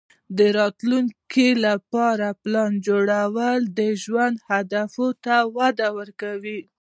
د راتلونکې لپاره پلان جوړول د ژوند اهدافو ته وده ورکوي.